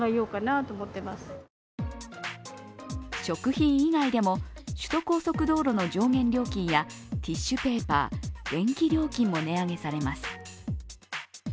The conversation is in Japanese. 食品以外でも首都高速道路の上限料金やティッシュペーパー、電気料金も値上げされます。